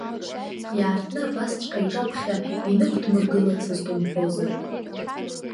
Иаартны абасҵәҟьа иҿаԥхьа инықәдмыргылацызт умҳәозар.